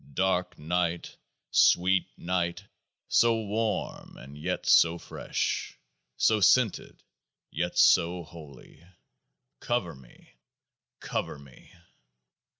Dark night, sweet night, so warm and yet so fresh, so scented yet so holy, cover me, cover me